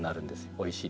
おいしい。